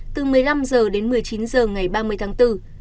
từ một mươi năm h đến một mươi chín h ngày ba mươi tháng bốn